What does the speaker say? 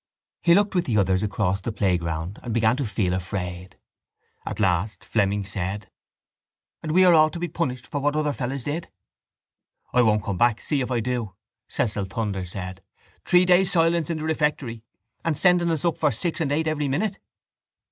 He looked with the others across the playground and began to feel afraid. At last Fleming said: —And we are all to be punished for what other fellows did? —I won't come back, see if I do, Cecil Thunder said. Three days' silence in the refectory and sending us up for six and eight every minute.